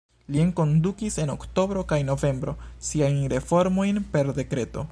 Li enkondukis en oktobro kaj novembro siajn reformojn per dekreto.